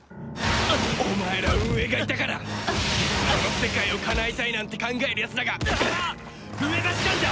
お前ら運営がいたから理想の世界をかなえたいなんて考えるやつらが増えだしたんだ！